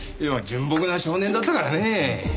純朴な少年だったからねぇ。